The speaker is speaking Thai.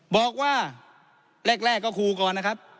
บอกว่าแรกก็ครูก่อนนะครับ